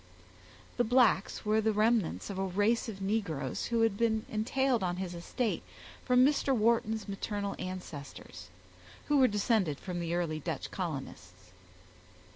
The blacks were the remnants of a race of negroes which had been entailed on his estate from Mr. Wharton's maternal ancestors, who were descended from the early Dutch colonists.